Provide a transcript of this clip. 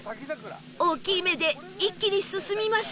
大きい目で一気に進みましょう！